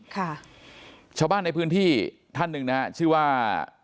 ค่ะชาวบ้านในพื้นที่ท่านหนึ่งนะฮะชื่อว่า